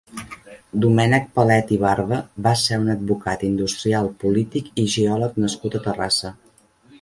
Domènec Palet i Barba va ser un advocat, industrial, polític i geòleg nascut a Terrassa.